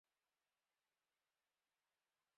La vieira es muy común en los mares que bañan Galicia.